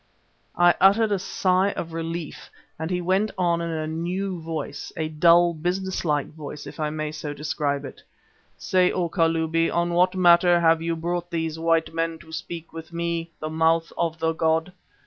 I uttered a sigh of relief, and he went on in a new voice, a dull, business like voice if I may so describe it: "Say, O Kalubi, on what matter have you brought these white men to speak with me, the Mouth of the god?